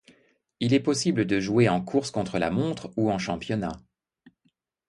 Il est possible de jouer en course contre la montre ou en championnat.